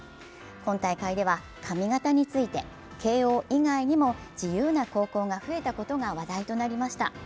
今大会では髪形について慶応以外にも自由な高校が増えたことが話題となりました。